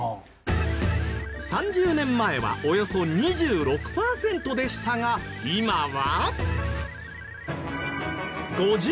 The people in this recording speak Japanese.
３０年前はおよそ２６パーセントでしたが今は。